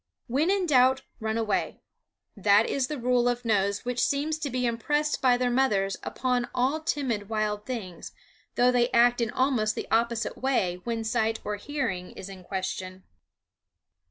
When in doubt run away that is the rule of nose which seems to be impressed by their mothers upon all timid wild things, though they act in almost the opposite way when sight or hearing is in question.